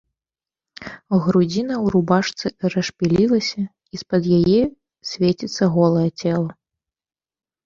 Грудзіна ў рубашцы расшпілілася, і з-пад яе свеціцца голае цела.